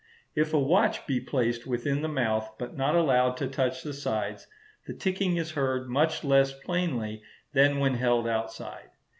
If a watch be placed within the mouth, but not allowed to touch the sides, the ticking is heard much less plainly than when held outside.